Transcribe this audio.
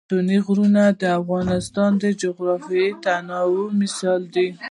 ستوني غرونه د افغانستان د جغرافیوي تنوع مثال دی.